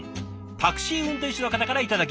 タクシー運転手の方から頂きました。